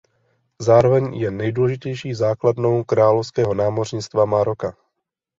Zároveň je nejdůležitější základnou Královského námořnictva Maroka.